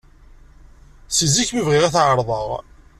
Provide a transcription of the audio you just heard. Si zik mi bɣiɣ ad t-ɛerḍeɣ.